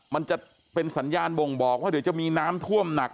มันจะเป็นสัญญาณบ่งบอกว่าเดี๋ยวจะมีน้ำท่วมหนัก